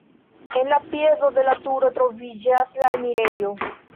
En la piedo de la turo troviĝas la enirejo.